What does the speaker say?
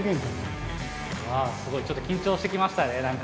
すごいちょっと緊張してきましたね何か。